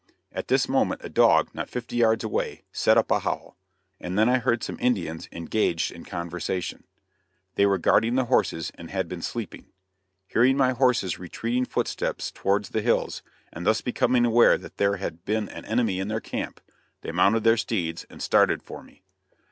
At this moment a dog, not fifty yards away, set up a howl, and then I heard some Indians engaged in conversation; they were guarding the horses, and had been sleeping. Hearing my horse's retreating footsteps toward the hills, and thus becoming aware that there had been an enemy in their camp, they mounted their steeds and started for me.